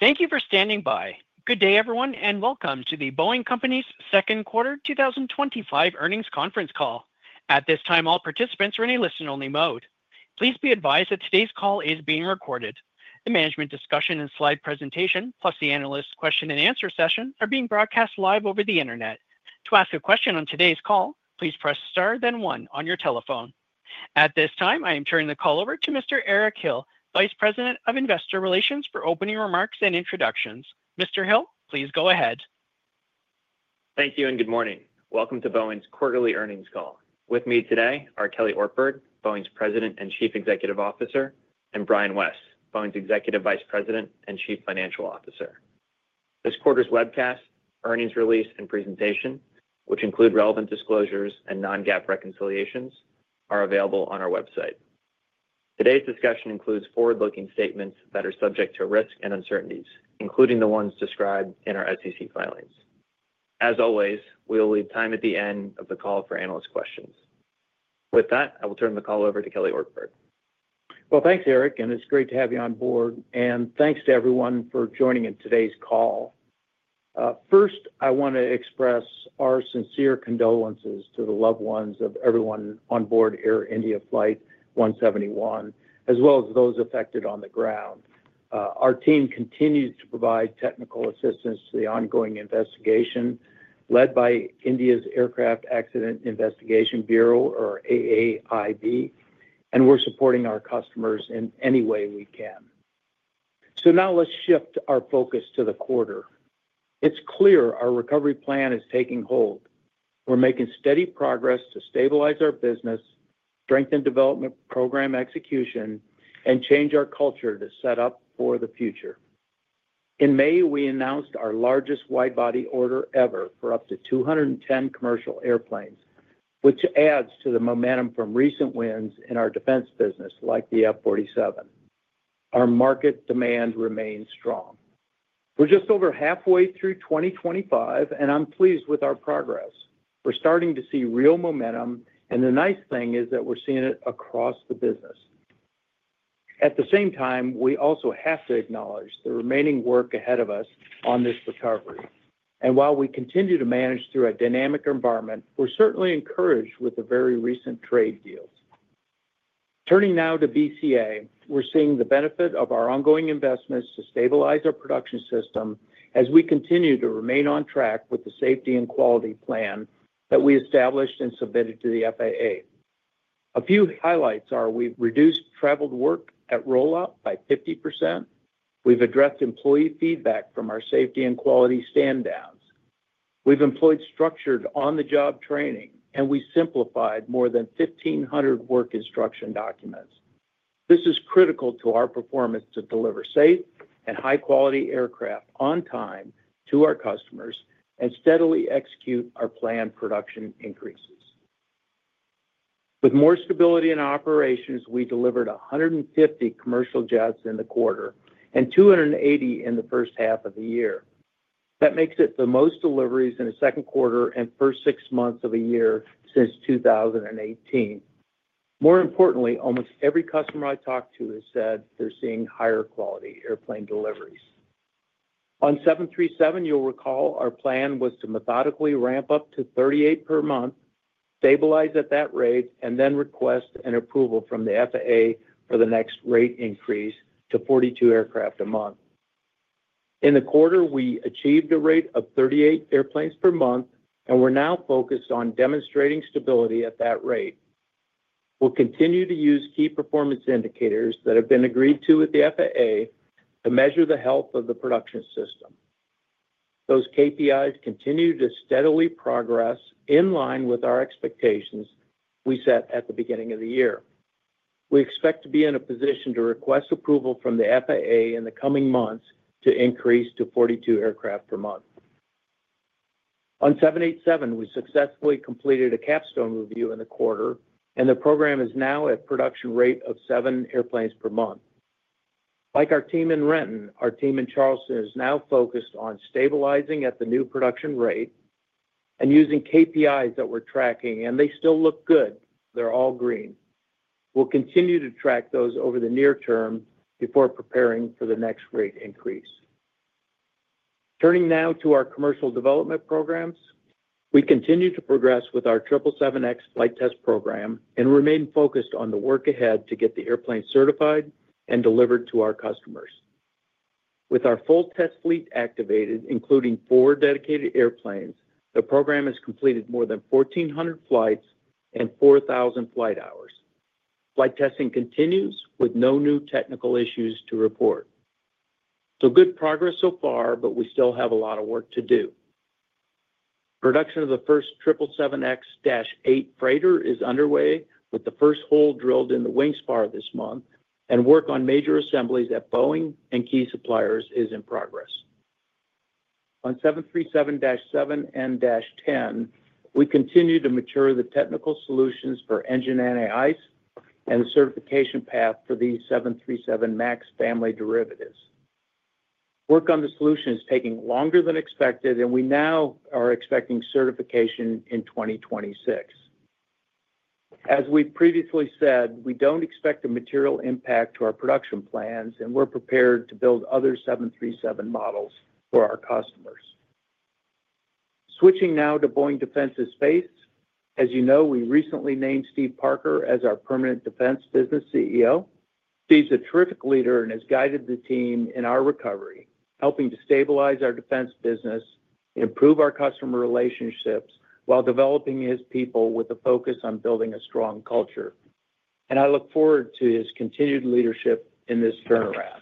Thank you for standing by. Good day, everyone, and welcome to the Boeing Company's second quarter 2025 earnings conference call. At this time, all participants are in a listen-only mode. Please be advised that today's call is being recorded. The management discussion and slide presentation, plus the analyst question-and-answer session, are being broadcast live over the Internet. To ask a question on today's call, please press Star, then one, on your telephone. At this time, I am turning the call over to Mr. Eric Hill, Vice President of Investor Relations, for opening remarks and introductions. Mr. Hill, please go ahead. Thank you and good morning. Welcome to Boeing's Quarterly Earnings Call. With me today are Kelly Ortberg, Boeing's President and Chief Executive Officer, and Brian West, Boeing's Executive Vice President and Chief Financial Officer. This quarter's webcast, earnings release, and presentation, which include relevant disclosures and non-GAAP reconciliations, are available on our website. Today's discussion includes forward-looking statements that are subject to risk and uncertainties, including the ones described in our SEC filings. As always, we will leave time at the end of the call for analyst questions. With that, I will turn the call over to Kelly Ortberg. Thanks, Eric, and it's great to have you on board. Thanks to everyone for joining in today's call. First, I want to express our sincere condolences to the loved ones of everyone on board Air India Flight 171, as well as those affected on the ground. Our team continues to provide technical assistance to the ongoing investigation led by India's Aircraft Accident Investigation Bureau, or AAIB, and we're supporting our customers in any way we can. Now let's shift our focus to the quarter. It's clear our recovery plan is taking hold. We're making steady progress to stabilize our business, strengthen development program execution, and change our culture to set up for the future. In May, we announced our largest widebody order ever for up to 210 commercial airplanes, which adds to the momentum from recent wins in our defense business, like the F-47. Our market demand remains strong. We're just over halfway through 2025, and I'm pleased with our progress. We're starting to see real momentum, and the nice thing is that we're seeing it across the business. At the same time, we also have to acknowledge the remaining work ahead of us on this recovery. While we continue to manage through a dynamic environment, we're certainly encouraged with the very recent trade deals. Turning now to BCA, we're seeing the benefit of our ongoing investments to stabilize our production system as we continue to remain on track with the safety and quality plan that we established and submitted to the FAA. A few highlights are we've reduced traveled work at rollout by 50%. We've addressed employee feedback from our safety and quality stand-downs. We've employed structured on-the-job training, and we simplified more than 1,500 work instruction documents. This is critical to our performance to deliver safe and high-quality aircraft on time to our customers and steadily execute our planned production increases. With more stability in operations, we delivered 150 commercial jets in the quarter and 280 in the first half of the year. That makes it the most deliveries in the second quarter and first six months of a year since 2018. More importantly, almost every customer I talked to has said they're seeing higher quality airplane deliveries. On 737, you'll recall our plan was to methodically ramp up to 38 per month, stabilize at that rate, and then request an approval from the FAA for the next rate increase to 42 aircraft a month. In the quarter, we achieved a rate of 38 airplanes per month, and we're now focused on demonstrating stability at that rate. We'll continue to use key performance indicators that have been agreed to with the FAA to measure the health of the production system. Those KPIs continue to steadily progress in line with our expectations we set at the beginning of the year. We expect to be in a position to request approval from the FAA in the coming months to increase to 42 aircraft per month. On 787, we successfully completed a capstone review in the quarter, and the program is now at a production rate of seven airplanes per month. Like our team in Renton, our team in Charleston is now focused on stabilizing at the new production rate and using KPIs that we're tracking, and they still look good. They're all green. We'll continue to track those over the near term before preparing for the next rate increase. Turning now to our commercial development programs, we continue to progress with our 777X flight test program and remain focused on the work ahead to get the airplanes certified and delivered to our customers. With our full test fleet activated, including four dedicated airplanes, the program has completed more than 1,400 flights and 4,000 flight hours. Flight testing continues with no new technical issues to report. Good progress so far, but we still have a lot of work to do. Production of the first 777X-8 Freighter is underway, with the first hole drilled in the wing spar this month, and work on major assemblies at Boeing and key suppliers is in progress. On 737-7 and -10, we continue to mature the technical solutions for engine anti-ice and the certification path for the 737 MAX family derivatives. Work on the solution is taking longer than expected, and we now are expecting certification in 2026. As we previously said, we don't expect a material impact to our production plans, and we're prepared to build other 737 models for our customers. Switching now to Boeing Defense, Space & Security. As you know, we recently named Steve Parker as our Permanent Defense Business CEO. Steve's a terrific leader and has guided the team in our recovery, helping to stabilize our defense business, improve our customer relationships while developing his people with a focus on building a strong culture. I look forward to his continued leadership in this turnaround.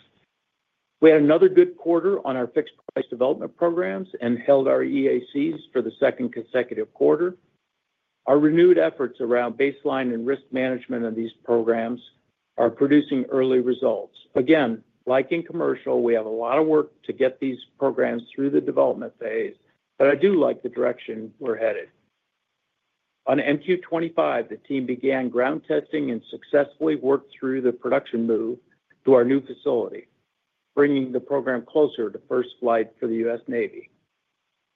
We had another good quarter on our fixed-price development programs and held our EACs for the second consecutive quarter. Our renewed efforts around baseline and risk management of these programs are producing early results. Again, like in commercial, we have a lot of work to get these programs through the development phase, but I do like the direction we're headed. On MQ-25, the team began ground testing and successfully worked through the production move to our new facility, bringing the program closer to first flight for the U.S. Navy.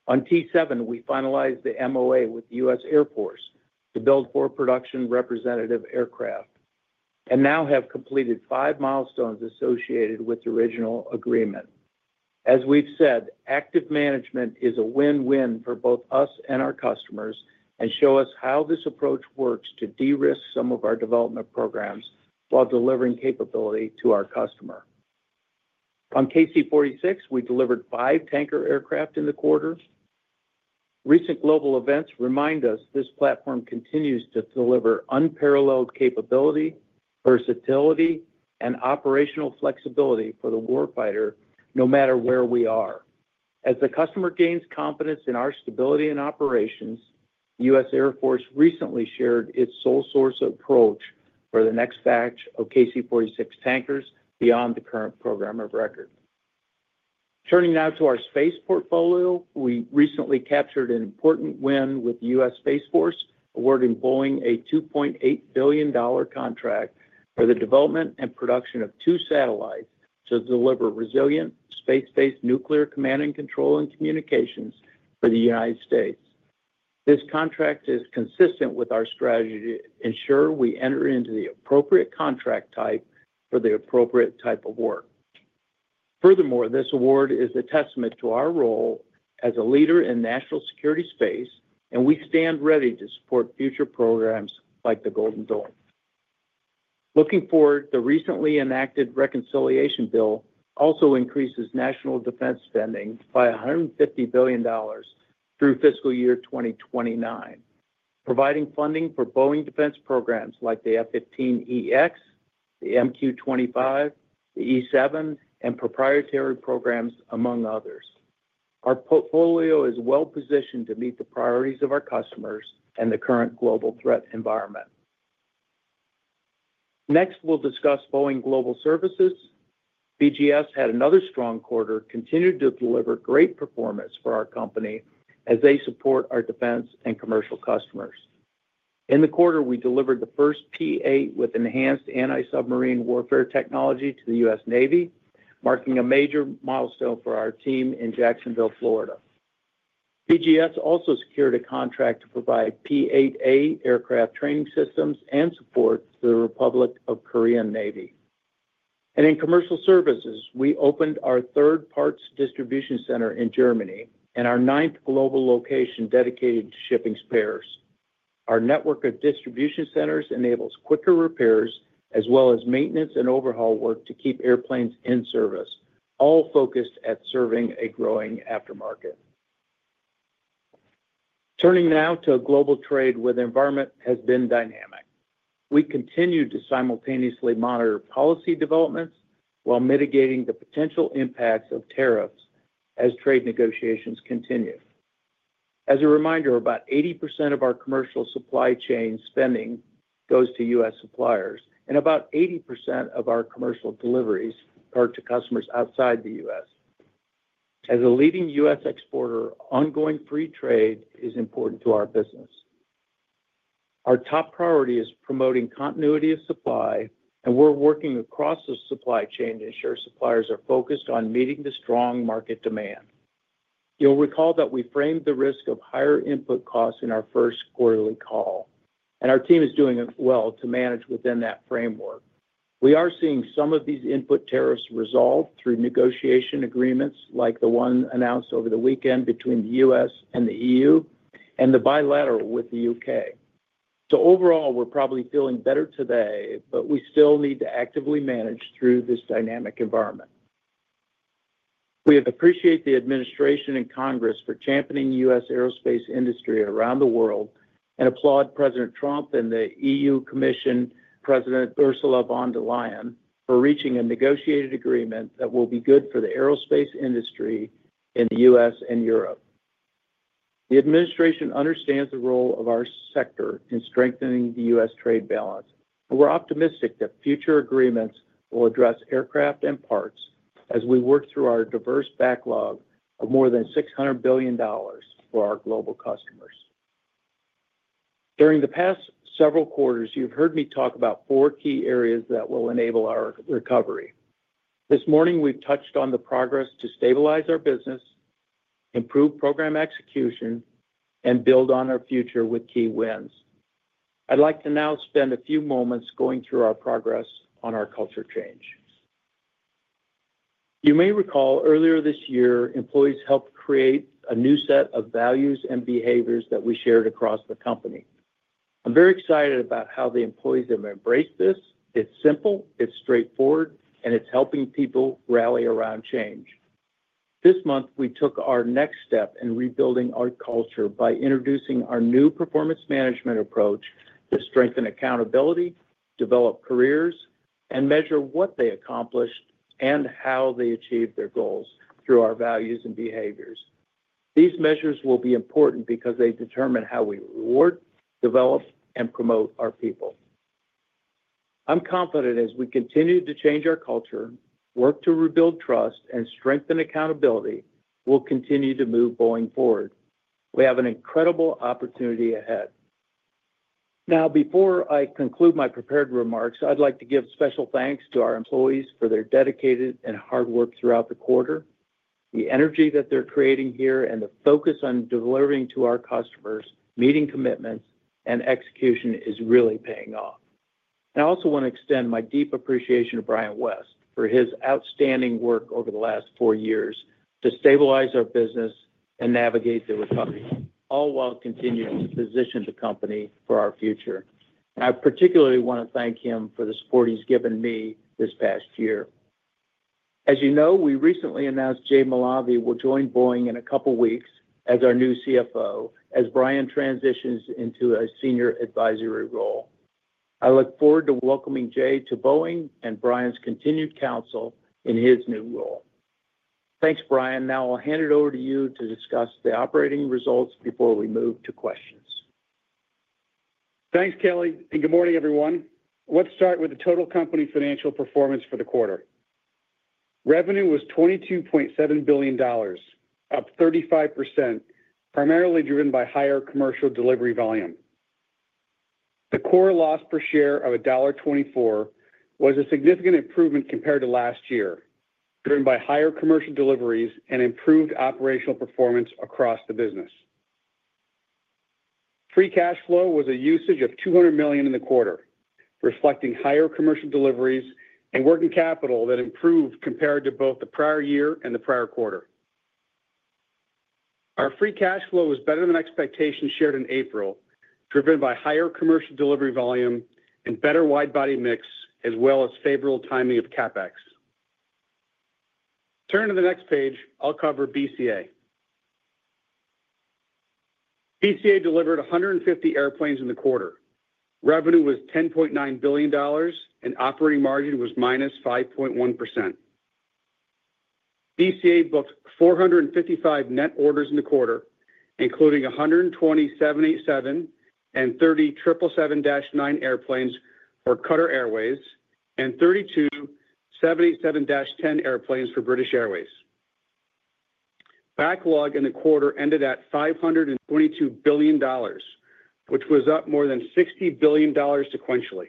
On T-7, we finalized the MOA with the U.S. Air Force to build four production representative aircraft and now have completed five milestones associated with the original agreement. As we've said, active management is a win-win for both us and our customers and shows us how this approach works to de-risk some of our development programs while delivering capability to our customer. On KC-46, we delivered five tanker aircraft in the quarter. Recent global events remind us this platform continues to deliver unparalleled capability, versatility, and operational flexibility for the warfighter no matter where we are. As the customer gains confidence in our stability and operations, the U.S. Air Force recently shared its sole-source approach for the next batch of KC-46 tankers beyond the current program of record. Turning now to our space portfolio, we recently captured an important win with the U.S. Space Force, awarding Boeing a $2.8 billion contract for the development and production of two satellites to deliver resilient space-based nuclear command and control and communications for the United States. This contract is consistent with our strategy to ensure we enter into the appropriate contract type for the appropriate type of work. Furthermore, this award is a testament to our role as a leader in the national security space, and we stand ready to support future programs like the Golden Dome. Looking forward, the recently enacted reconciliation bill also increases national defense spending by $150 billion through fiscal year 2029. Providing funding for Boeing defense programs like the F-15EX, the MQ-25, the E-7, and proprietary programs, among others. Our portfolio is well-positioned to meet the priorities of our customers and the current global threat environment. Next, we'll discuss Boeing Global Services. BGS had another strong quarter, continued to deliver great performance for our company as they support our defense and commercial customers. In the quarter, we delivered the first P-8 with enhanced anti-submarine warfare technology to the U.S. Navy, marking a major milestone for our team in Jacksonville, Florida. BGS also secured a contract to provide P-8A aircraft training systems and support to the Republic of Korea Navy. In commercial services, we opened our third parts distribution center in Germany and our ninth global location dedicated to shipping spares. Our network of distribution centers enables quicker repairs as well as maintenance and overhaul work to keep airplanes in service, all focused at serving a growing aftermarket. Turning now to global trade, where the environment has been dynamic. We continue to simultaneously monitor policy developments while mitigating the potential impacts of tariffs as trade negotiations continue. As a reminder, about 80% of our commercial supply chain spending goes to U.S. suppliers, and about 80% of our commercial deliveries are to customers outside the U.S. As a leading U.S. exporter, ongoing free trade is important to our business. Our top priority is promoting continuity of supply, and we're working across the supply chain to ensure suppliers are focused on meeting the strong market demand. You'll recall that we framed the risk of higher input costs in our first quarterly call, and our team is doing well to manage within that framework. We are seeing some of these input tariffs resolve through negotiation agreements like the one announced over the weekend between the U.S. and the EU and the bilateral with the U.K. Overall, we're probably feeling better today, but we still need to actively manage through this dynamic environment. We appreciate the administration and Congress for championing U.S. aerospace industry around the world and applaud President Trump and the EU Commission President Ursula von der Leyen for reaching a negotiated agreement that will be good for the aerospace industry in the U.S. and Europe. The administration understands the role of our sector in strengthening the U.S. trade balance, and we're optimistic that future agreements will address aircraft and parts as we work through our diverse backlog of more than $600 billion for our global customers. During the past several quarters, you've heard me talk about four key areas that will enable our recovery. This morning, we've touched on the progress to stabilize our business, improve program execution, and build on our future with key wins. I'd like to now spend a few moments going through our progress on our culture change. You may recall earlier this year, employees helped create a new set of values and behaviors that we shared across the company. I'm very excited about how the employees have embraced this. It's simple, it's straightforward, and it's helping people rally around change. This month, we took our next step in rebuilding our culture by introducing our new performance management approach to strengthen accountability, develop careers, and measure what they accomplished and how they achieved their goals through our values and behaviors. These measures will be important because they determine how we reward, develop, and promote our people. I'm confident as we continue to change our culture, work to rebuild trust, and strengthen accountability, we'll continue to move Boeing forward. We have an incredible opportunity ahead. Now, before I conclude my prepared remarks, I'd like to give special thanks to our employees for their dedicated and hard work throughout the quarter. The energy that they're creating here and the focus on delivering to our customers, meeting commitments, and execution is really paying off. I also want to extend my deep appreciation to Brian West for his outstanding work over the last four years to stabilize our business and navigate the recovery, all while continuing to position the company for our future. I particularly want to thank him for the support he's given me this past year. As you know, we recently announced Jay Malave will join Boeing in a couple of weeks as our new CFO as Brian transitions into a senior advisory role. I look forward to welcoming Jay to Boeing and Brian's continued counsel in his new role. Thanks, Brian. Now, I'll hand it over to you to discuss the operating results before we move to questions. Thanks, Kelly, and good morning, everyone. Let's start with the total company financial performance for the quarter. Revenue was $22.7 billion, up 35%, primarily driven by higher commercial delivery volume. The core loss per share of $1.24 was a significant improvement compared to last year, driven by higher commercial deliveries and improved operational performance across the business. Free cash flow was a usage of $200 million in the quarter, reflecting higher commercial deliveries and working capital that improved compared to both the prior year and the prior quarter. Our free cash flow was better than expectations shared in April, driven by higher commercial delivery volume and better widebody mix, as well as favorable timing of CapEx. Turning to the next page, I'll cover BCA. BCA delivered 150 airplanes in the quarter. Revenue was $10.9 billion, and operating margin was -5.1%. BCA booked 455 net orders in the quarter, including 120 787 and 30 777-9 airplanes for Qatar Airways and 32 787-10 airplanes for British Airways. Backlog in the quarter ended at $522 billion, which was up more than $60 billion sequentially.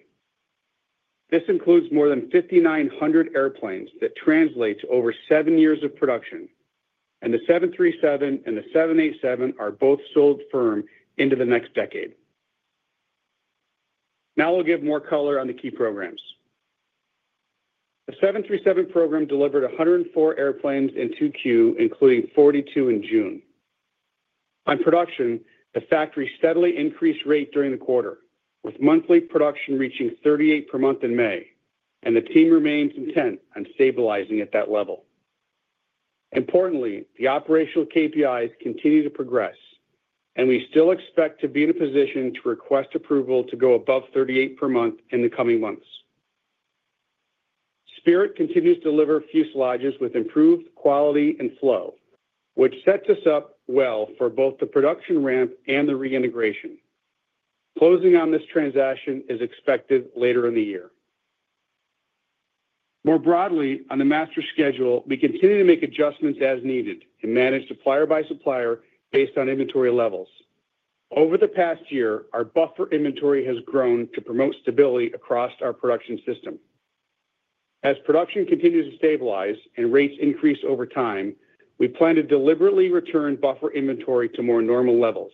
This includes more than 5,900 airplanes that translate to over seven years of production, and the 737 and the 787 are both sold firm into the next decade. Now, I'll give more color on the key programs. The 737 program delivered 104 airplanes in Q2, including 42 in June. On production, the factory steadily increased rate during the quarter, with monthly production reaching 38 per month in May, and the team remains intent on stabilizing at that level. Importantly, the operational KPIs continue to progress, and we still expect to be in a position to request approval to go above 38 per month in the coming months. Spirit continues to deliver fuselages with improved quality and flow, which sets us up well for both the production ramp and the reintegration. Closing on this transaction is expected later in the year. More broadly, on the master schedule, we continue to make adjustments as needed and manage supplier by supplier based on inventory levels. Over the past year, our buffer inventory has grown to promote stability across our production system. As production continues to stabilize and rates increase over time, we plan to deliberately return buffer inventory to more normal levels.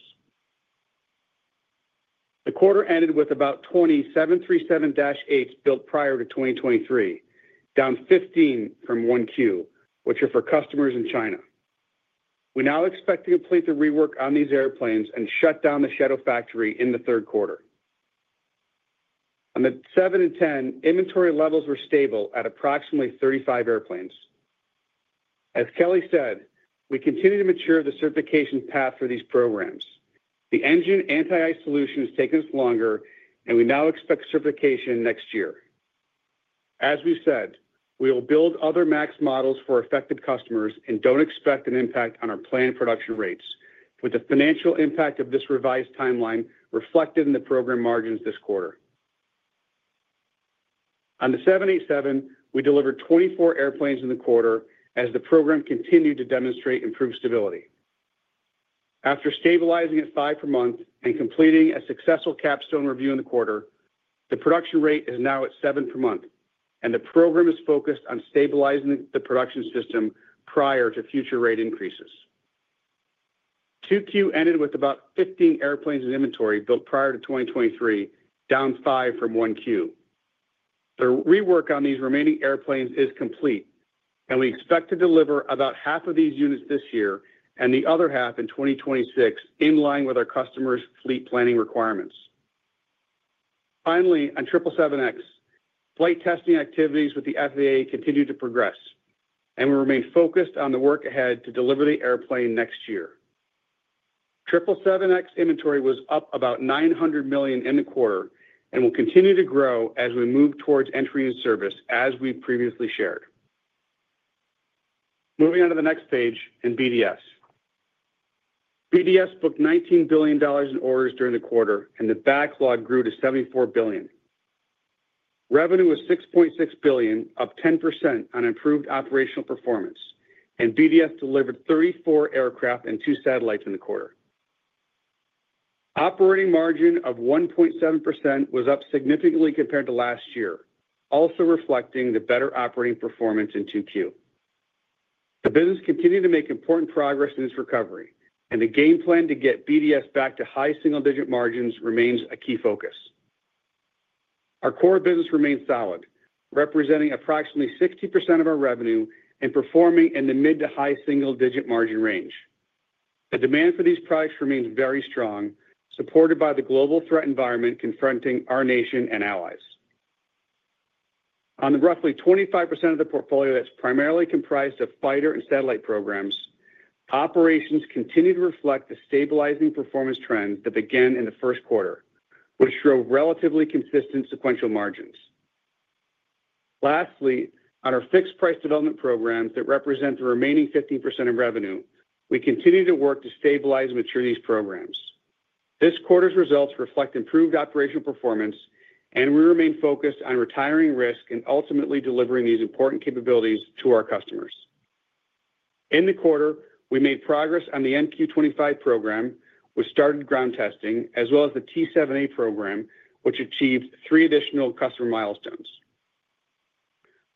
The quarter ended with about 20 737-8s built prior to 2023, down 15 from one Q, which are for customers in China. We now expect to complete the rework on these airplanes and shut down the shadow factory in the third quarter. On the 7 and 10, inventory levels were stable at approximately 35 airplanes. As Kelly said, we continue to mature the certification path for these programs. The engine anti-ice solution has taken us longer, and we now expect certification next year. As we said, we will build other MAX models for affected customers and do not expect an impact on our planned production rates, with the financial impact of this revised timeline reflected in the program margins this quarter. On the 787, we delivered 24 airplanes in the quarter as the program continued to demonstrate improved stability. After stabilizing at five per month and completing a successful capstone review in the quarter, the production rate is now at seven per month, and the program is focused on stabilizing the production system prior to future rate increases. Q2 ended with about 15 airplanes in inventory built prior to 2023, down five from one quarter. The rework on these remaining airplanes is complete, and we expect to deliver about half of these units this year and the other half in 2026, in line with our customers' fleet planning requirements. Finally, on 777X, flight testing activities with the FAA continue to progress, and we remain focused on the work ahead to deliver the airplane next year. 777X inventory was up about $900 million in the quarter and will continue to grow as we move towards entry in service, as we previously shared. Moving on to the next page in BDS. BDS booked $19 billion in orders during the quarter, and the backlog grew to $74 billion. Revenue was $6.6 billion, up 10% on improved operational performance, and BDS delivered 34 aircraft and two satellites in the quarter. Operating margin of 1.7% was up significantly compared to last year, also reflecting the better operating performance in Q2. The business continued to make important progress in its recovery, and the game plan to get BDS back to high single-digit margins remains a key focus. Our core business remains solid, representing approximately 60% of our revenue and performing in the mid to high single-digit margin range. The demand for these products remains very strong, supported by the global threat environment confronting our nation and allies. On the roughly 25% of the portfolio that is primarily comprised of fighter and satellite programs, operations continue to reflect the stabilizing performance trends that began in the first quarter, which show relatively consistent sequential margins. Lastly, on our fixed-price development programs that represent the remaining 15% of revenue, we continue to work to stabilize and mature these programs. This quarter's results reflect improved operational performance, and we remain focused on retiring risk and ultimately delivering these important capabilities to our customers. In the quarter, we made progress on the MQ-25 program, which started ground testing, as well as the T-7A program, which achieved three additional customer milestones.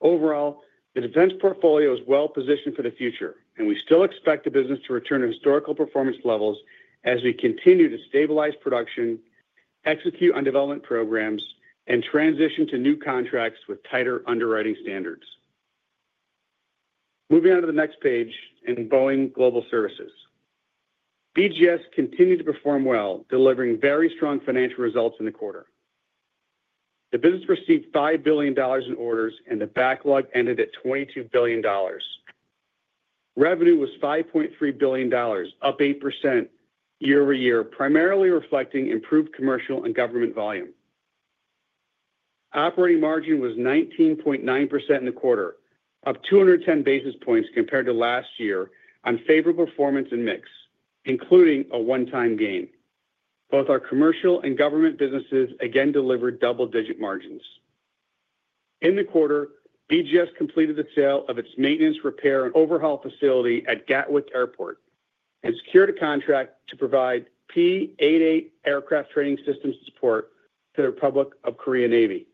Overall, the defense portfolio is well positioned for the future, and we still expect the business to return to historical performance levels as we continue to stabilize production, execute on development programs, and transition to new contracts with tighter underwriting standards. Moving on to the next page in Boeing Global Services. BGS continued to perform well, delivering very strong financial results in the quarter. The business received $5 billion in orders, and the backlog ended at $22 billion. Revenue was $5.3 billion, up 8% year over year, primarily reflecting improved commercial and government volume. Operating margin was 19.9% in the quarter, up 210 basis points compared to last year on favorable performance and mix, including a one-time gain. Both our commercial and government businesses again delivered double-digit margins. In the quarter, BGS completed the sale of its maintenance, repair, and overhaul facility at Gatwick Airport and secured a contract to provide P-8A aircraft training system support to the Republic of Korea Navy.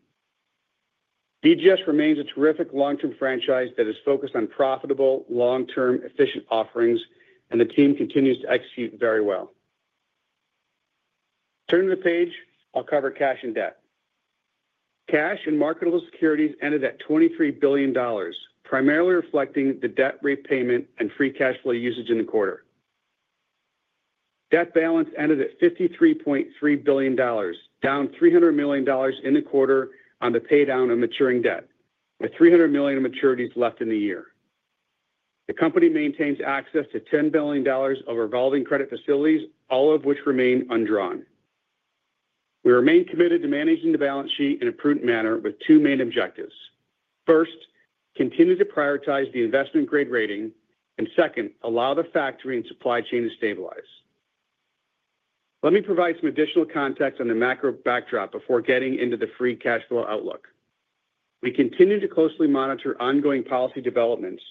BGS remains a terrific long-term franchise that is focused on profitable, long-term, efficient offerings, and the team continues to execute very well. Turning to the page, I'll cover cash and debt. Cash and marketable securities ended at $23 billion, primarily reflecting the debt repayment and free cash flow usage in the quarter. Debt balance ended at $53.3 billion, down $300 million in the quarter on the paydown of maturing debt, with $300 million in maturities left in the year. The company maintains access to $10 billion of revolving credit facilities, all of which remain undrawn. We remain committed to managing the balance sheet in a prudent manner with two main objectives. First, continue to prioritize the investment-grade rating, and second, allow the factory and supply chain to stabilize. Let me provide some additional context on the macro backdrop before getting into the free cash flow outlook. We continue to closely monitor ongoing policy developments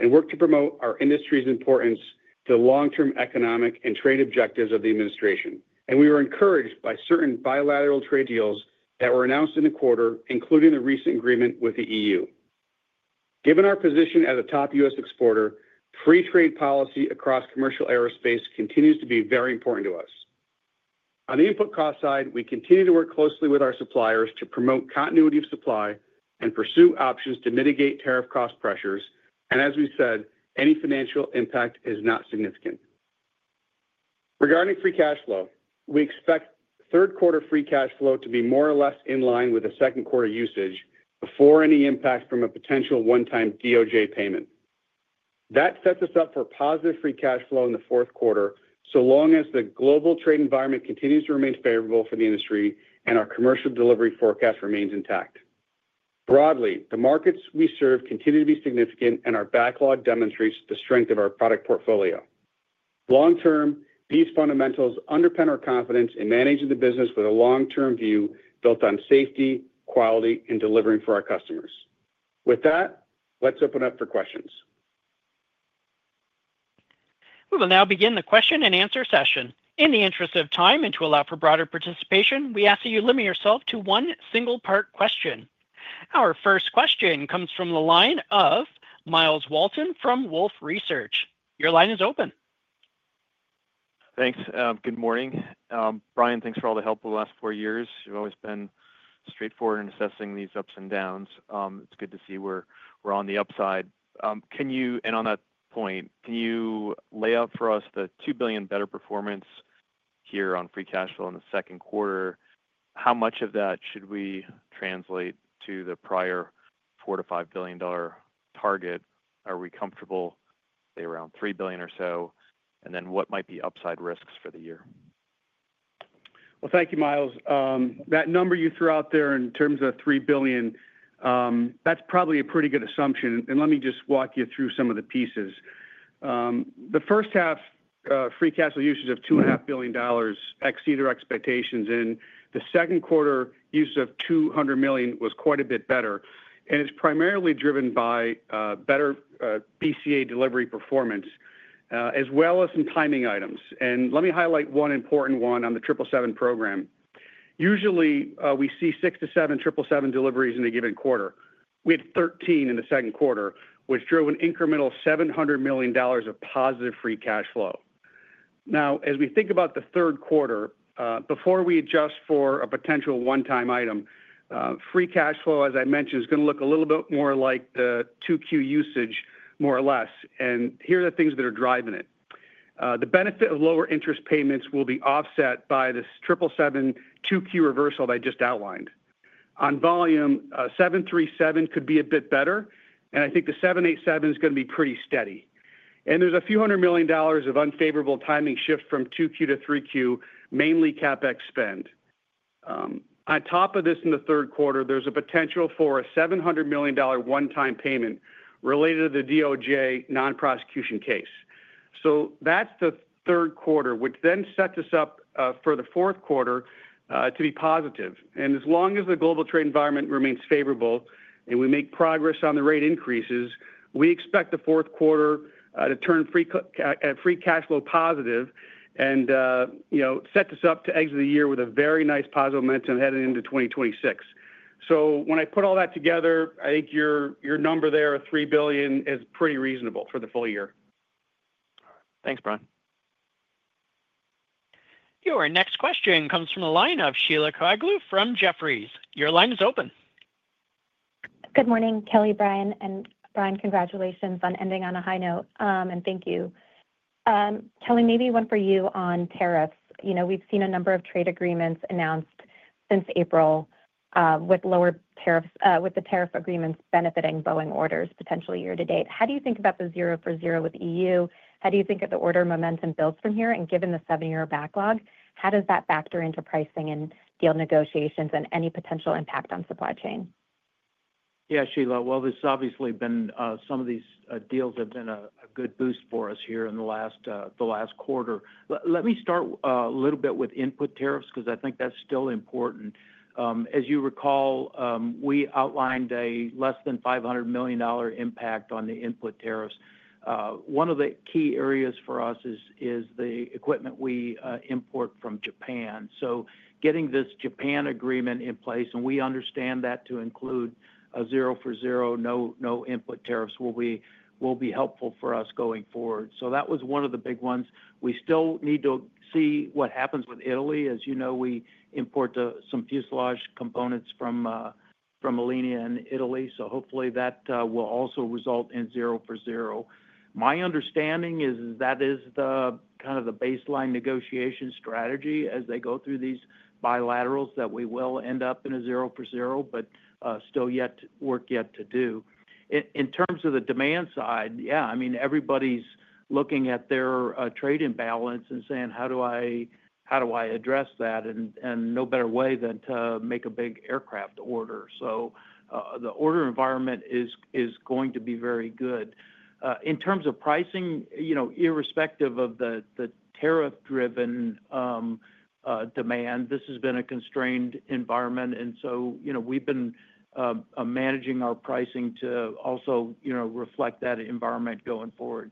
and work to promote our industry's importance to the long-term economic and trade objectives of the administration, and we were encouraged by certain bilateral trade deals that were announced in the quarter, including the recent agreement with the EU. Given our position as a top U.S. exporter, free trade policy across commercial aerospace continues to be very important to us. On the input cost side, we continue to work closely with our suppliers to promote continuity of supply and pursue options to mitigate tariff cost pressures, and as we said, any financial impact is not significant. Regarding free cash flow, we expect third-quarter free cash flow to be more or less in line with the second-quarter usage before any impact from a potential one-time DOJ payment. That sets us up for positive free cash flow in the fourth quarter so long as the global trade environment continues to remain favorable for the industry and our commercial delivery forecast remains intact. Broadly, the markets we serve continue to be significant, and our backlog demonstrates the strength of our product portfolio. Long-term, these fundamentals underpin our confidence in managing the business with a long-term view built on safety, quality, and delivering for our customers. With that, let's open up for questions. We will now begin the question-and-answer session. In the interest of time and to allow for broader participation, we ask that you limit yourself to one single-part question. Our first question comes from the line of Myles Walton from Wolfe Research. Your line is open. Thanks. Good morning. Brian, thanks for all the help over the last four years. You've always been straightforward in assessing these ups and downs. It's good to see we're on the upside. On that point, can you lay out for us the $2 billion better performance here on free cash flow in the second quarter? How much of that should we translate to the prior $4 billion-$5 billion target? Are we comfortable, say, around $3 billion or so? And then what might be upside risks for the year? Thank you, Myles. That number you threw out there in terms of $3 billion. That's probably a pretty good assumption. Let me just walk you through some of the pieces. The first half, free cash flow usage of $2.5 billion exceeded our expectations, and the second quarter usage of $200 million was quite a bit better. It's primarily driven by better BCA delivery performance, as well as some timing items. Let me highlight one important one on the 777 program. Usually, we see six to seven 777 deliveries in a given quarter. We had 13 in the second quarter, which drove an incremental $700 million of positive free cash flow. Now, as we think about the third quarter, before we adjust for a potential one-time item, free cash flow, as I mentioned, is going to look a little bit more like the 2Q usage, more or less. Here are the things that are driving it. The benefit of lower interest payments will be offset by this 777 2Q reversal that I just outlined. On volume, 737 could be a bit better, and I think the 787 is going to be pretty steady. There's a few hundred million dollars of unfavorable timing shift from 2Q to 3Q, mainly CapEx spend. On top of this, in the third quarter, there's a potential for a $700 million one-time payment related to the DOJ non-prosecution case. That's the third quarter, which then sets us up for the fourth quarter to be positive. As long as the global trade environment remains favorable and we make progress on the rate increases, we expect the fourth quarter to turn free cash flow positive and set us up to exit the year with a very nice positive momentum heading into 2026. When I put all that together, I think your number there, $3 billion, is pretty reasonable for the full year. Thanks, Brian. Your next question comes from the line of Sheila Kahyaoglu from Jefferies. Your line is open. Good morning, Kelly, Brian. And Brian, congratulations on ending on a high note. Thank you. Kelly, maybe one for you on tariffs. We've seen a number of trade agreements announced since April. With lower tariffs, with the tariff agreements benefiting Boeing orders potentially year to date. How do you think about the zero for zero with the EU? How do you think that the order momentum builds from here? And given the seven-year backlog, how does that factor into pricing and deal negotiations and any potential impact on supply chain? Yeah, Sheila, this has obviously been some of these deals have been a good boost for us here in the last quarter. Let me start a little bit with input tariffs because I think that's still important. As you recall, we outlined a less than $500 million impact on the input tariffs. One of the key areas for us is the equipment we import from Japan. Getting this Japan agreement in place, and we understand that to include a zero for zero, no input tariffs, will be helpful for us going forward. That was one of the big ones. We still need to see what happens with Italy. As you know, we import some fuselage components from Millenia in Italy. Hopefully that will also result in zero for zero. My understanding is that is kind of the baseline negotiation strategy as they go through these bilaterals, that we will end up in a zero for zero, but still work yet to do. In terms of the demand side, yeah, I mean, everybody's looking at their trade imbalance and saying, "How do I address that?" No better way than to make a big aircraft order. The order environment is going to be very good. In terms of pricing, irrespective of the tariff-driven demand, this has been a constrained environment. We've been managing our pricing to also reflect that environment going forward.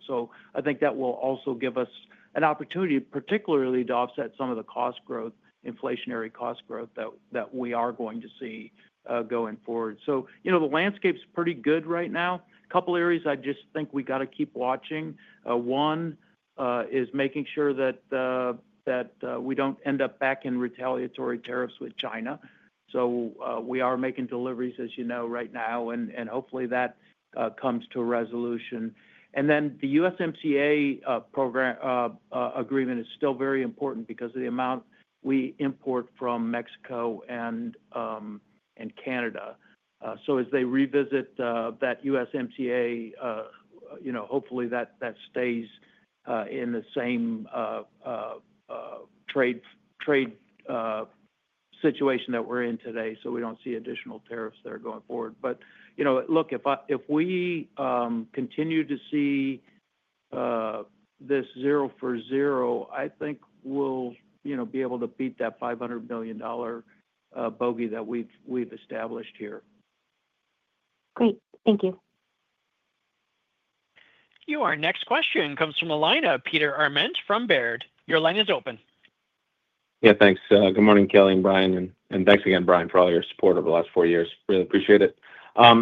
I think that will also give us an opportunity, particularly to offset some of the cost growth, inflationary cost growth that we are going to see going forward. The landscape's pretty good right now. A couple of areas I just think we got to keep watching. One is making sure that we do not end up back in retaliatory tariffs with China. We are making deliveries, as you know, right now, and hopefully that comes to resolution. The USMCA agreement is still very important because of the amount we import from Mexico and Canada. As they revisit that USMCA, hopefully that stays in the same trade situation that we're in today so we do not see additional tariffs that are going forward. Look, if we continue to see this zero for zero, I think we'll be able to beat that $500 million bogey that we've established here. Great. Thank you. Your next question comes from the line of Peter Arment from Baird. Your line is open. Yeah, thanks. Good morning, Kelly and Brian. Thanks again, Brian, for all your support over the last four years. Really appreciate it.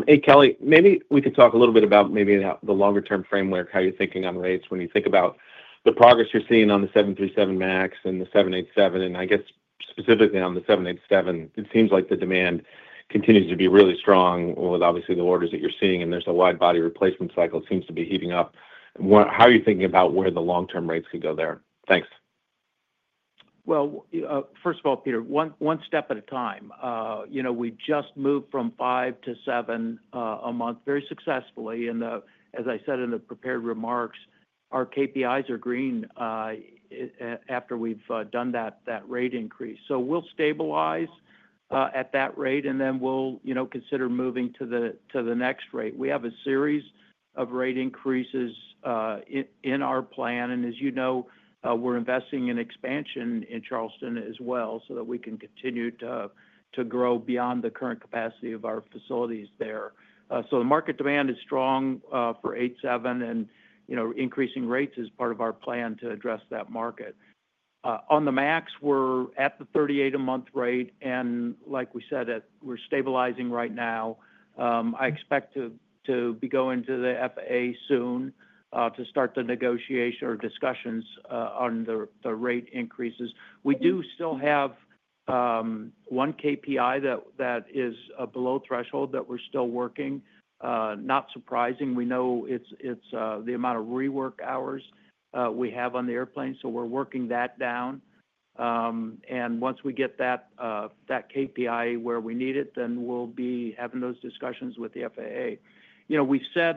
Hey, Kelly, maybe we could talk a little bit about maybe the longer-term framework, how you're thinking on rates when you think about the progress you're seeing on the 737 MAX and the 787, and I guess specifically on the 787. It seems like the demand continues to be really strong with obviously the orders that you're seeing, and there's a widebody replacement cycle that seems to be heating up. How are you thinking about where the long-term rates could go there? Thanks. First of all, Peter, one step at a time. We just moved from five to seven a month very successfully. As I said in the prepared remarks, our KPIs are green after we have done that rate increase. We will stabilize at that rate, and then we will consider moving to the next rate. We have a series of rate increases in our plan. As you know, we are investing in expansion in Charleston as well so that we can continue to grow beyond the current capacity of our facilities there. The market demand is strong for 87, and increasing rates is part of our plan to address that market. On the MAX, we are at the 38-a-month rate, and like we said, we are stabilizing right now. I expect to be going to the FAA soon to start the negotiation or discussions on the rate increases. We do still have one KPI that is below threshold that we are still working. Not surprising. We know it is the amount of rework hours we have on the airplane. We are working that down. Once we get that KPI where we need it, then we will be having those discussions with the FAA. We said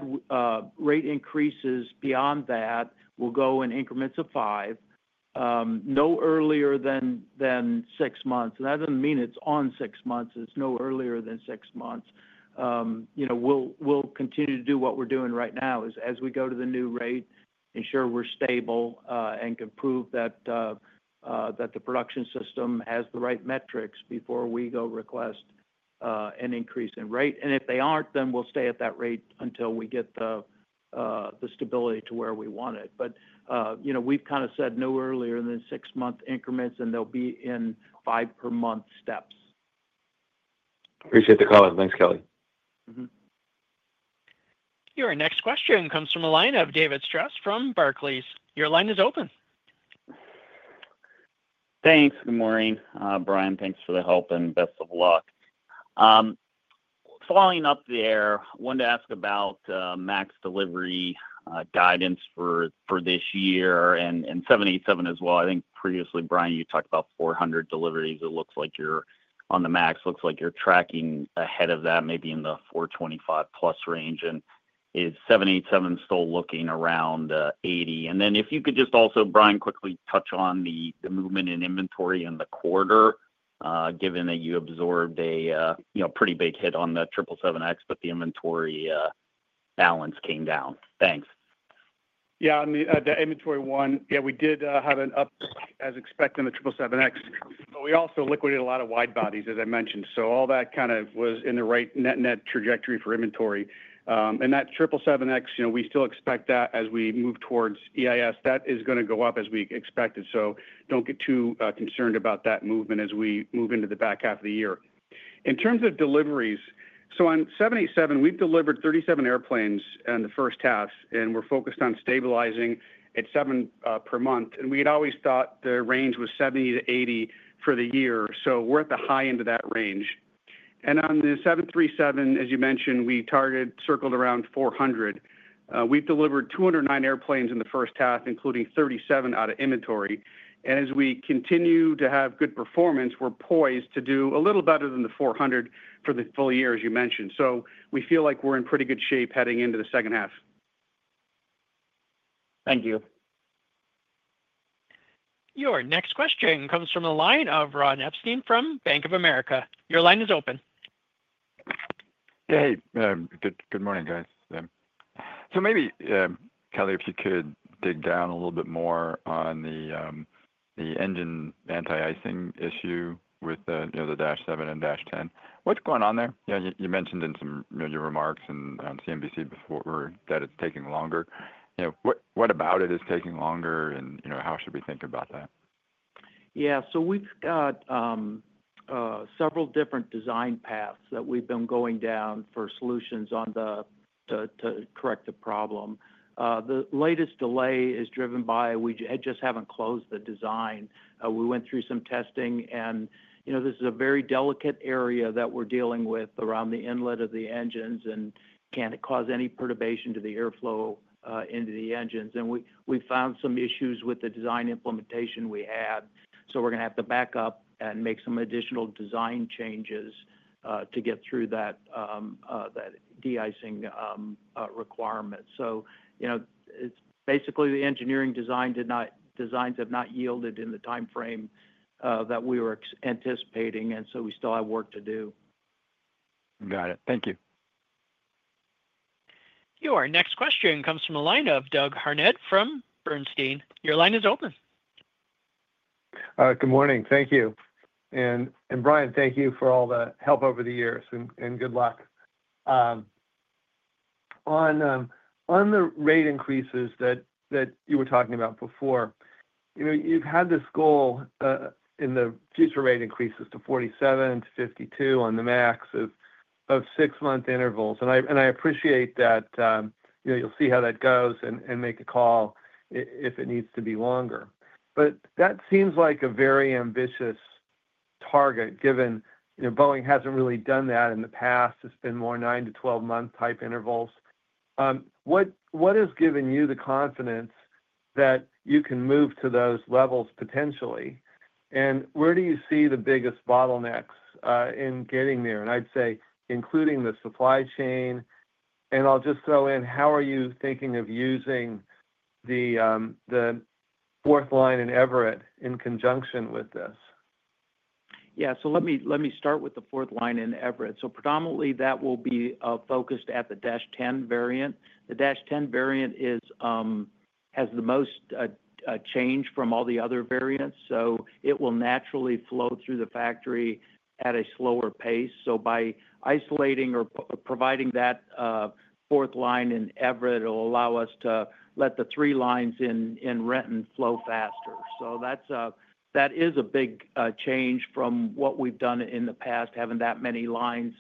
rate increases beyond that will go in increments of five, no earlier than six months. That does not mean it is on six months. It is no earlier than six months. We will continue to do what we are doing right now as we go to the new rate, ensure we are stable, and can prove that the production system has the right metrics before we go request an increase in rate. If they are not, then we will stay at that rate until we get the stability to where we want it. We have kind of said no earlier than six-month increments, and they will be in five-per-month steps. Appreciate the call. Thanks, Kelly. Your next question comes from the line of David Strauss from Barclays. Your line is open. Thanks. Good morning, Brian. Thanks for the help and best of luck. Following up there, I wanted to ask about MAX delivery guidance for this year and 787 as well. I think previously, Brian, you talked about 400 deliveries. It looks like you are on the MAX. It looks like you are tracking ahead of that, maybe in the 425+ range. Is 787 still looking around 80? If you could just also, Brian, quickly touch on the movement in inventory in the quarter, given that you absorbed a pretty big hit on the 777X, but the inventory balance came down. Thanks. Yeah. On the inventory one, yeah, we did have an up as expected on the 777X. We also liquidated a lot of widebodies, as I mentioned. All that was in the right net trajectory for inventory. That 777X, we still expect that as we move towards EIS. That is going to go up as we expected. Do not get too concerned about that movement as we move into the back half of the year. In terms of deliveries, on 787, we have delivered 37 airplanes in the first half, and we are focused on stabilizing at seven per month. We had always thought the range was 70-80 for the year. We are at the high end of that range. On the 737, as you mentioned, we targeted, circled around 400. We have delivered 209 airplanes in the first half, including 37 out of inventory. As we continue to have good performance, we are poised to do a little better than the 400 for the full year, as you mentioned. We feel like we are in pretty good shape heading into the second half. Thank you. Your next question comes from the line of Ron Epstein from Bank of America. Your line is open. Hey. Good morning, guys. Maybe, Kelly, if you could dig down a little bit more on the engine anti-icing issue with the 737-7 and 737-10. What is going on there? You mentioned in some of your remarks on CNBC before that it is taking longer. What about it is taking longer, and how should we think about that? Yeah. We have several different design paths that we have been going down for solutions to correct the problem. The latest delay is driven by the fact that we just have not closed the design. We went through some testing, and this is a very delicate area that we are dealing with around the inlet of the engines and cannot cause any perturbation to the airflow into the engines. We found some issues with the design implementation we had. We are going to have to back up and make some additional design changes to get through that de-icing requirement. Basically, the engineering designs have not yielded in the timeframe that we were anticipating, and we still have work to do. Got it. Thank you. Your next question comes from the line of Doug Harned from Bernstein. Your line is open. Good morning. Thank you. Brian, thank you for all the help over the years, and good luck. On the rate increases that you were talking about before, you have had this goal in the future rate increases to 47-52 on the MAX at six-month intervals. I appreciate that you will see how that goes and make a call if it needs to be longer. That seems like a very ambitious target, given Boeing hasn't really done that in the past. It's been more 9 to 12-month type intervals. What has given you the confidence that you can move to those levels potentially? Where do you see the biggest bottlenecks in getting there? I'd say including the supply chain. I'll just throw in, how are you thinking of using the fourth line in Everett in conjunction with this? Yeah. Let me start with the fourth line in Everett. Predominantly, that will be focused at the 737-10 variant. The 737-10 variant has the most change from all the other variants, so it will naturally flow through the factory at a slower pace. By isolating or providing that fourth line in Everett, it'll allow us to let the three lines in Renton flow faster. That is a big change from what we've done in the past, having that many lines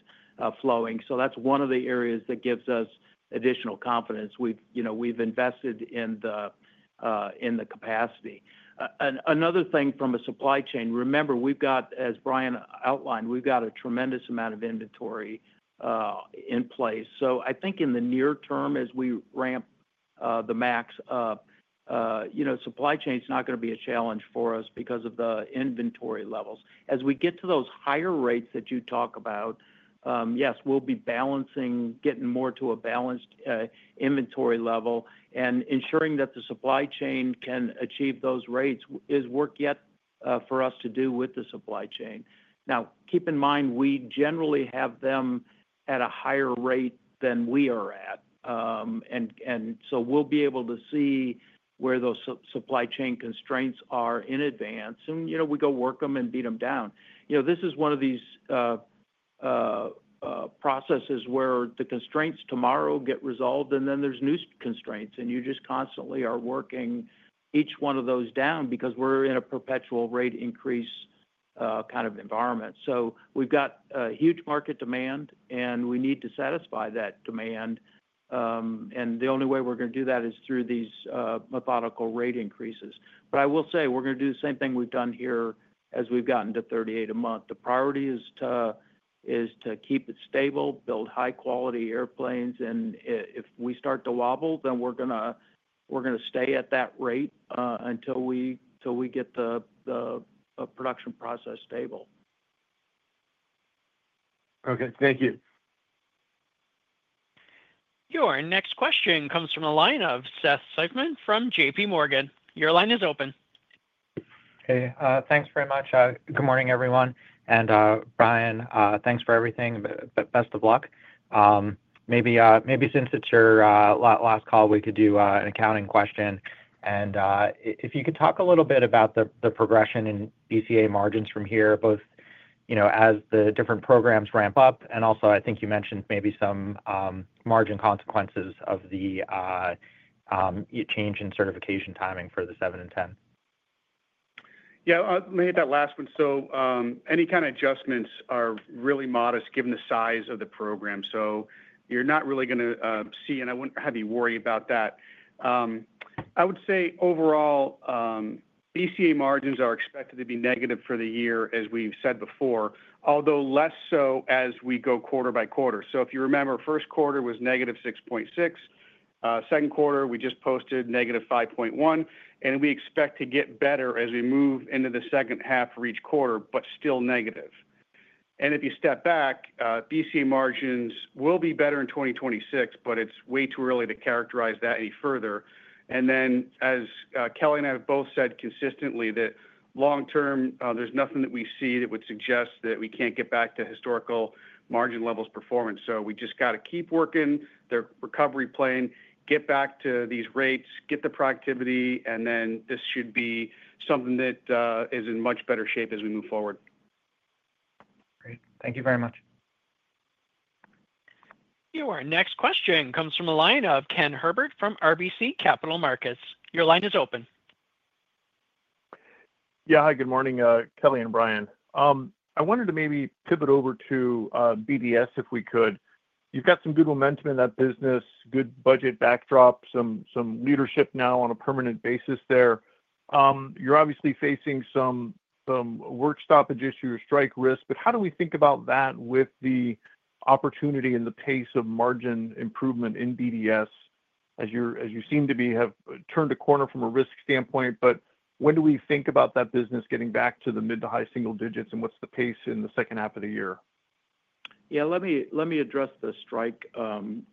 flowing. That's one of the areas that gives us additional confidence. We've invested in the capacity. Another thing from a supply chain, remember, as Brian outlined, we've got a tremendous amount of inventory in place. I think in the near term, as we ramp the MAX up, supply chain is not going to be a challenge for us because of the inventory levels. As we get to those higher rates that you talk about, yes, we'll be balancing, getting more to a balanced inventory level, and ensuring that the supply chain can achieve those rates is work yet for us to do with the supply chain. Now, keep in mind, we generally have them at a higher rate than we are at, and so we'll be able to see where those supply chain constraints are in advance. We go work them and beat them down. This is one of these processes where the constraints tomorrow get resolved, and then there's new constraints, and you just constantly are working each one of those down because we're in a perpetual rate increase kind of environment. We've got huge market demand, and we need to satisfy that demand. The only way we're going to do that is through these methodical rate increases. I will say we're going to do the same thing we've done here as we've gotten to 38 a month. The priority is to keep it stable, build high-quality airplanes. If we start to wobble, then we're going to stay at that rate until we get the production process stable. Okay. Thank you. Your next question comes from the line of Seth Seifman from JPMorgan. Your line is open. Hey. Thanks very much. Good morning, everyone. Brian, thanks for everything, but best of luck. Maybe since it's your last call, we could do an accounting question. If you could talk a little bit about the progression in EAC margins from here, both as the different programs ramp up, and also, I think you mentioned maybe some margin consequences of the change in certification timing for the 737-7 and 737-10?. Yeah. I'll make that last one. Any kind of adjustments are really modest given the size of the program. You're not really going to see, and I wouldn't have you worry about that. I would say overall, EAC margins are expected to be negative for the year, as we've said before, although less so as we go quarter by quarter. If you remember, first quarter was -6.6. Second quarter, we just posted -5.1. We expect to get better as we move into the second half for each quarter, but still negative. If you step back, EAC margins will be better in 2026, but it's way too early to characterize that any further. As Kelly and I have both said consistently, long-term, there's nothing that we see that would suggest that we can't get back to historical margin levels performance. We just got to keep working the recovery plan, get back to these rates, get the productivity, and then this should be something that is in much better shape as we move forward. Great. Thank you very much. Your next question comes from the line of Ken Herbert from RBC Capital Markets. Your line is open. Yeah. Hi. Good morning, Kelly and Brian. I wanted to maybe pivot over to BDS if we could. You've got some good momentum in that business, good budget backdrop, some leadership now on a permanent basis there. You're obviously facing some work stoppage issue or strike risk. How do we think about that with the opportunity and the pace of margin improvement in BDS, as you seem to have turned a corner from a risk standpoint? When do we think about that business getting back to the mid to high single digits, and what's the pace in the second half of the year? Yeah. Let me address the strike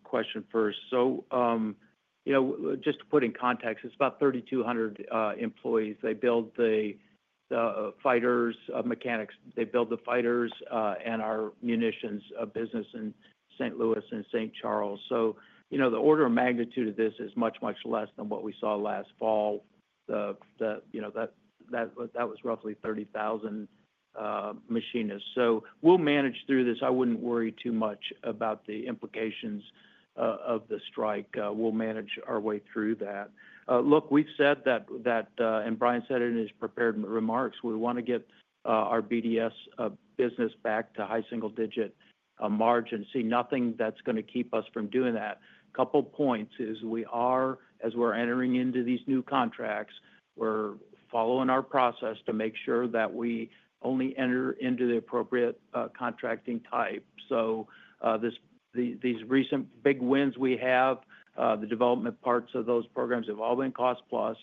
question first. Just to put in context, it's about 3,200 employees. They build the fighters, mechanics. They build the fighters and our munitions business in St. Louis and St. Charles. The order of magnitude of this is much, much less than what we saw last fall. That was roughly 30,000 machinists. We'll manage through this. I wouldn't worry too much about the implications of the strike. We'll manage our way through that. Look, we've said that, and Brian said it in his prepared remarks. We want to get our BDS business back to high single-digit margin. See nothing that's going to keep us from doing that. A couple of points is, as we're entering into these new contracts, we're following our process to make sure that we only enter into the appropriate contracting type. These recent big wins we have, the development parts of those programs have all been cost-plus.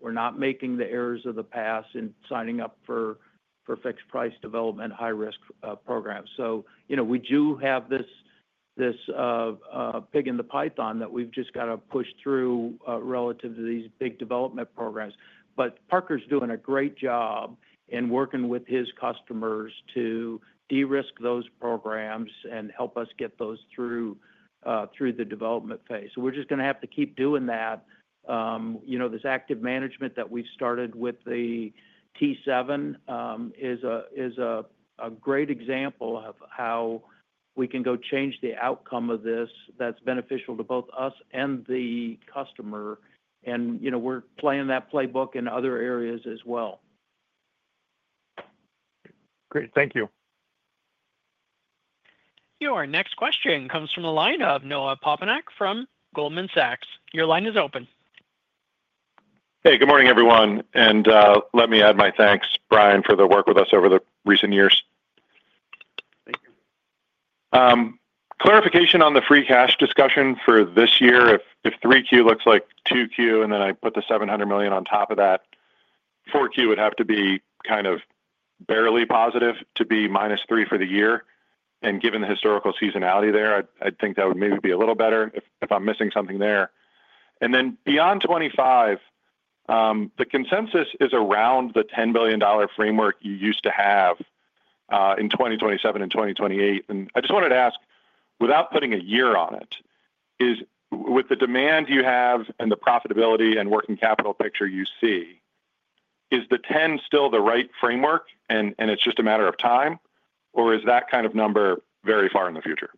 We're not making the errors of the past in signing up for fixed-price development high-risk programs. We do have this pig in the python that we've just got to push through relative to these big development programs. Parker's doing a great job in working with his customers to de-risk those programs and help us get those through the development phase. We're just going to have to keep doing that. This active management that we've started with the T-7 is a great example of how we can go change the outcome of this that's beneficial to both us and the customer. We're playing that playbook in other areas as well. Great. Thank you. Your next question comes from the line of Noah Poponak from Goldman Sachs. Your line is open. Hey. Good morning, everyone. And let me add my thanks, Brian, for the work with us over the recent years. Thank you. Clarification on the free cash discussion for this year. If 3Q looks like 2Q, and then I put the $700 million on top of that, 4Q would have to be kind of barely positive to be minus $3 billion for the year. And given the historical seasonality there, I'd think that would maybe be a little better if I'm missing something there. And then beyond 2025, the consensus is around the $10 billion framework you used to have in 2027 and 2028. I just wanted to ask, without putting a year on it, with the demand you have and the profitability and working capital picture you see, is the $10 billion still the right framework, and it's just a matter of time, or is that kind of number very far in the future?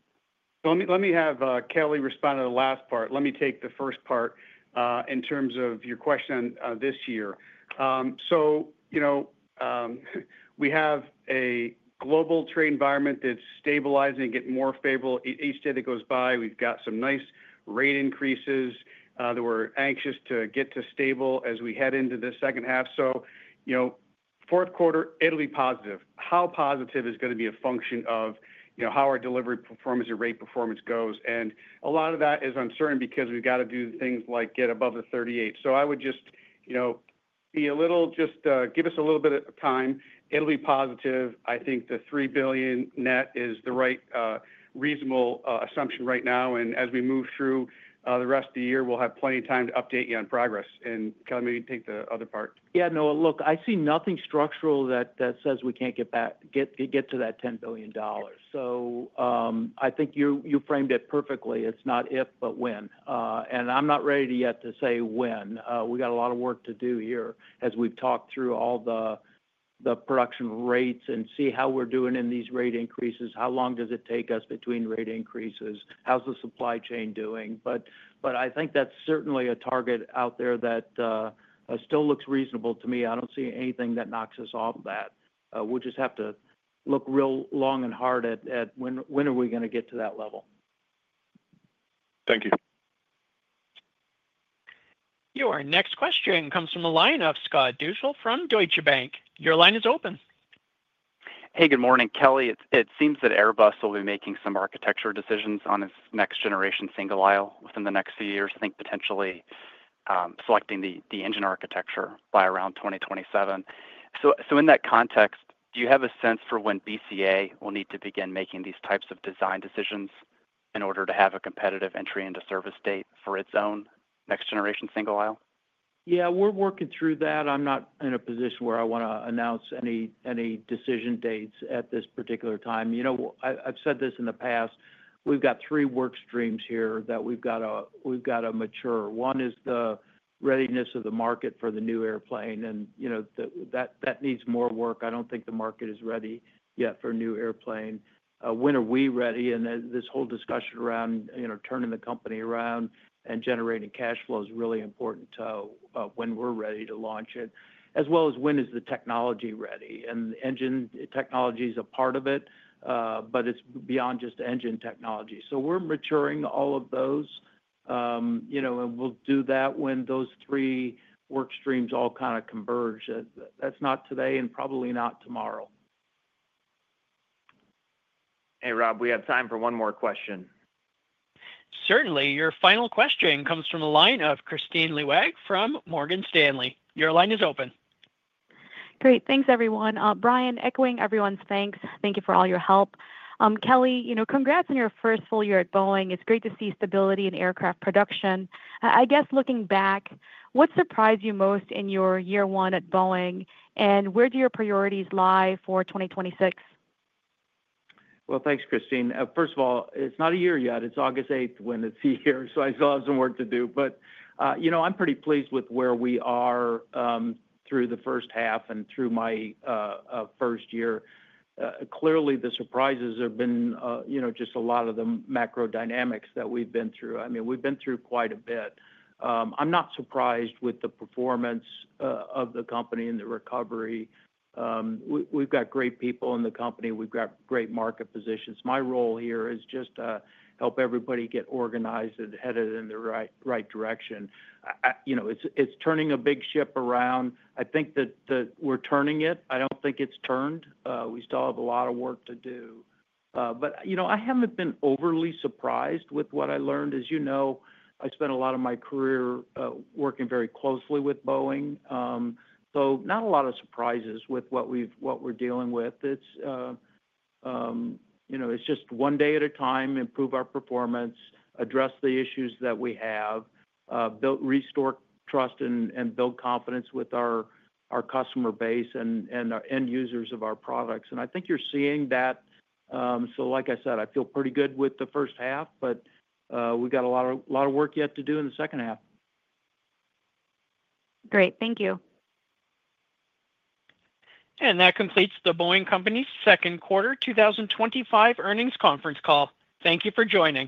Let me have Kelly respond to the last part. Let me take the first part. In terms of your question this year, we have a global trade environment that's stabilizing, getting more favorable. Each day that goes by, we've got some nice rate increases that we're anxious to get to stable as we head into the second half. Fourth quarter, it'll be positive. How positive is going to be a function of how our delivery performance and rate performance goes. A lot of that is uncertain because we've got to do things like get above the 38. I would just give us a little bit of time. It'll be positive. I think the $3 billion net is the right reasonable assumption right now. As we move through the rest of the year, we'll have plenty of time to update you on progress. Kelly, maybe take the other part. Yeah. No. Look, I see nothing structural that says we can't get to that $10 billion. I think you framed it perfectly. It's not if, but when. I'm not ready yet to say when. We got a lot of work to do here as we've talked through all the production rates and see how we're doing in these rate increases. How long does it take us between rate increases? How's the supply chain doing? I think that's certainly a target out there that still looks reasonable to me. I don't see anything that knocks us off that. We'll just have to look real long and hard at when are we going to get to that level. Thank you. Your next question comes from the line of Scott Deuschle from Deutsche Bank. Your line is open. Hey. Good morning, Kelly. It seems that Airbus will be making some architecture decisions on its next-generation single aisle within the next few years, I think potentially selecting the engine architecture by around 2027. In that context, do you have a sense for when BCA will need to begin making these types of design decisions in order to have a competitive entry into service date for its own next-generation single aisle? Yeah. We're working through that. I'm not in a position where I want to announce any decision dates at this particular time. I've said this in the past. We've got three work streams here that we've got to mature. One is the readiness of the market for the new airplane. That needs more work. I don't think the market is ready yet for a new airplane. When are we ready? This whole discussion around turning the company around and generating cash flow is really important to when we're ready to launch it, as well as when is the technology ready. Engine technology is a part of it, but it's beyond just engine technology. We're maturing all of those. We'll do that when those three work streams all kind of converge. That's not today and probably not tomorrow. Hey, Rob, we have time for one more question. Certainly. Your final question comes from the line of Kristine Liwag from Morgan Stanley. Your line is open. Great. Thanks, everyone. Brian, echoing everyone's thanks, thank you for all your help. Kelly, congrats on your first full year at Boeing. It's great to see stability in aircraft production. I guess looking back, what surprised you most in your year one at Boeing, and where do your priorities lie for 2026? Thanks, Kristine. First of all, it's not a year yet. It's August 8th when it's a year. I still have some work to do. I'm pretty pleased with where we are through the first half and through my first year. Clearly, the surprises have been just a lot of the macro dynamics that we've been through. I mean, we've been through quite a bit. I'm not surprised with the performance of the company and the recovery. We've got great people in the company. We've got great market positions. My role here is just to help everybody get organized and headed in the right direction. It's turning a big ship around. I think that we're turning it. I don't think it's turned. We still have a lot of work to do. I haven't been overly surprised with what I learned. As you know, I spent a lot of my career working very closely with Boeing. Not a lot of surprises with what we're dealing with. It's just one day at a time, improve our performance, address the issues that we have, restore trust and build confidence with our customer base and end users of our products. I think you're seeing that. Like I said, I feel pretty good with the first half, but we've got a lot of work yet to do in the second half. Great. Thank you. That completes The Boeing Company's second quarter 2025 earnings conference call. Thank you for joining.